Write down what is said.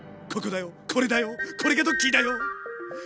これだよこれがドッキーだよ！